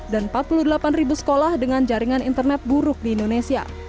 dan empat puluh delapan sekolah dengan jaringan internet buruk di indonesia